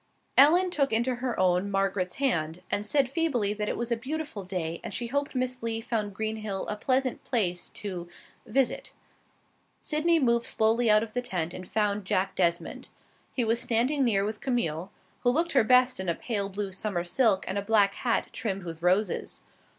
Ellen took into her own Margaret's hand, and said feebly that it was a beautiful day and she hoped Miss Lee found Greenhill a pleasant place to visit. Sydney moved slowly out of the tent and found Jack Desmond. He was standing near with Camille, who looked her best in a pale blue summer silk and a black hat trimmed with roses.